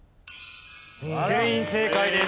全員正解です。